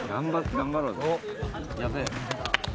頑張ろうぜ。